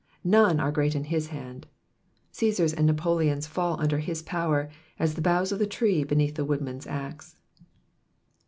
None are great in his hand. Caesars and Napoleons fall under his power as the boughs of the tree beneath the woodman*s axe.